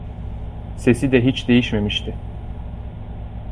Sesi de hiç değişmemişti.